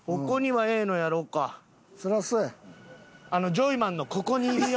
ジョイマンの『ここにいるよ』。